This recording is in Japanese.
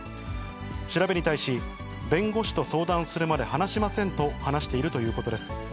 調べに対し、弁護士と相談するまで話しませんと、話しているということです。